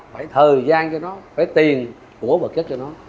phải thời gian cho nó phải tiền của vật chất cho nó